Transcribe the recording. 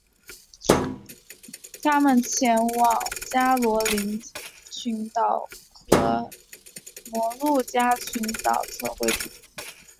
他们继续前往加罗林群岛和摩鹿加群岛测绘地图。